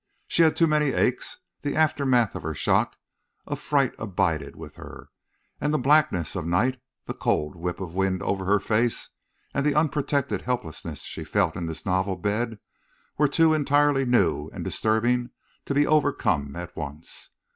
She had too many aches; the aftermath of her shock of fright abided with her; and the blackness of night, the cold whip of wind over her face, and the unprotected helplessness she felt in this novel bed, were too entirely new and disturbing to be overcome at once.